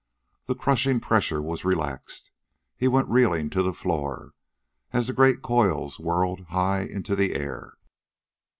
The crushing pressure was relaxed. He went reeling to the floor, as the great coils whirled high into the air.